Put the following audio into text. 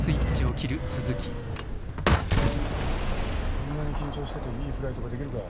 そんなに緊張してていいフライトができるか。